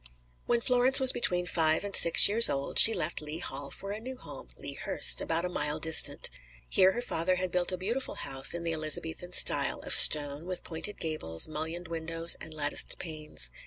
When Florence was between five and six years old, she left Lea Hall for a new home, Lea Hurst, about a mile distant. Here her father had built a beautiful house in the Elizabethan style, of stone, with pointed gables, mullioned windows and latticed panes.